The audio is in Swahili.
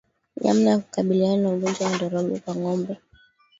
Namna ya kukabiliana na ugonjwa wa ndorobo kwa ngombe